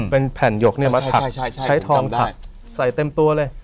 เป็นแผ่นหยกเงียบมัฐักตุใช้ธรรมถัดใส่เต็มตัวเลย